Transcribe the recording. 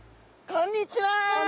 こんにちは！